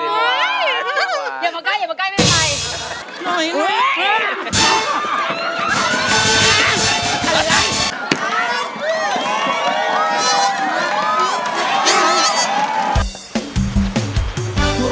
อย่ามาใกล้ไม่เป็นไร